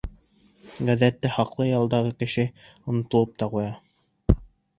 Ғәҙәттә, хаҡлы ялдағы кеше онотолоп та ҡуя.